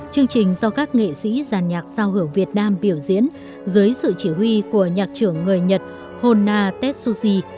chương trình do các nghệ sĩ giàn nhạc sao hưởng việt nam biểu diễn dưới sự chỉ huy của nhạc trưởng người nhật hona tetsushi